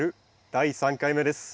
第３回目です。